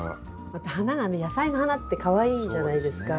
また花がね野菜の花ってかわいいじゃないですか。